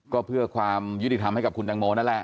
ก็เพื่อความยุติธรรมให้กับคุณตังโมนั่นแหละ